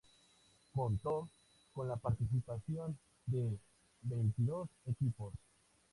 Contó con la participación de veintidós equipos.